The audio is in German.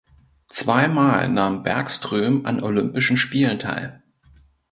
Zweimal nahm Bergström an Olympischen Spielen teil.